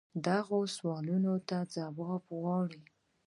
دغو سوالونو ته جواب غواړي.